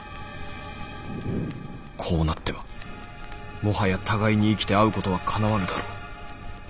こうなってはもはや互いに生きて会うことはかなわぬだろう。